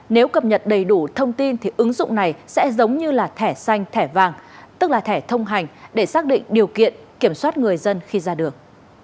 nếu cập nhật đầy đủ thông tin thì ứng dụng này sẽ giống như là thẻ xanh thẻ vàng tức là thẻ thông hành để xác định điều kiện kiểm soát người dân khi ra đường